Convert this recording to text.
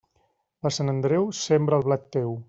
Per Sant Andreu, sembra el blat teu.